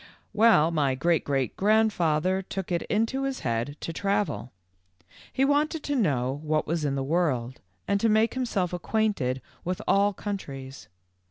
"Well, my great great grandfather took it into his head to travel. He wanted to know what was in the world and to make himself acquainted with all countries.